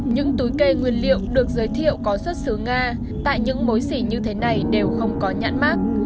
những túi cây nguyên liệu được giới thiệu có xuất xứ nga tại những mối xỉ như thế này đều không có nhãn mát